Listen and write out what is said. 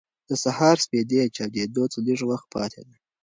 د سهار سپېدې چاودېدو ته لږ وخت پاتې دی.